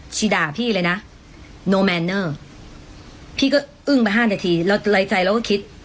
ชีด่าพี่เลยน่ะพี่ก็อึ้งไปห้านนาทีแล้วในใจเราก็คิด